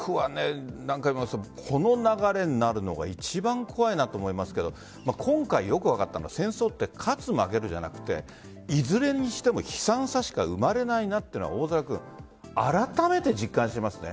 僕は、この流れになるのが一番怖いなと思いますが今回、よく分かったのは戦争って勝つ、負けるじゃなくていずれにしても悲惨さしか生まれないなというのがあらためて実感しますね。